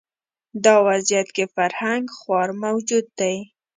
دا وضعیت کې فرهنګ خوار موجود دی